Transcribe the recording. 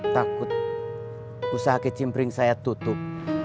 takut usaha kecimpring saya tutup